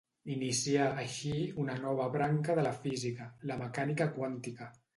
Inicià, així, una nova branca de la física, la mecànica quàntica.